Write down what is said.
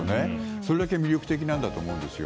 それだけ魅力的だと思うんですよ。